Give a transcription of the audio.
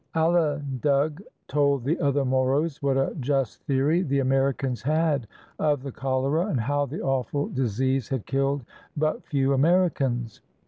Alandug told the other Moros what a just theory the Americans had of the cholera, and how the awful disease had killed but few Americans.